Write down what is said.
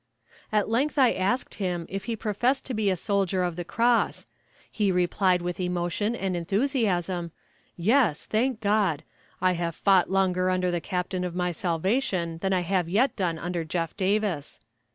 At length I asked him if he professed to be a Soldier of the Cross; he replied with emotion and enthusiasm, "Yes, thank God! I have fought longer under the Captain of my Salvation than I have yet done under Jeff. Davis."